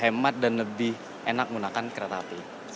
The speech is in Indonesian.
hemat dan lebih enak menggunakan kereta api